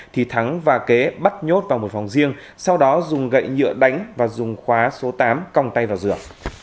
thì thắng và kế bắt nhốt vào một phòng riêng sau đó dùng gậy nhựa đánh và dùng khóa số tám cong tay vào rửa